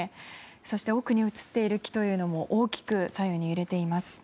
そして、奥に映っている木も大きく左右に揺れています。